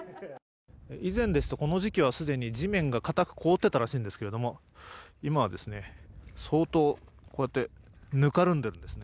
以前ですと、この時期は既に地面が固く凍っていたらしいんですけど今は相当ぬかるんでいるんですね。